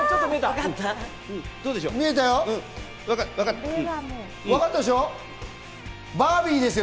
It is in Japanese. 見えたよ。